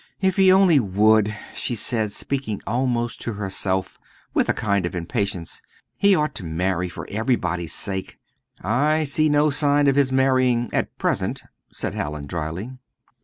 "If he only would!" she said, speaking almost to herself, with a kind of impatience. "He ought to marry, for everybody's sake." "I see no sign of his marrying at present," said Hallin, drily.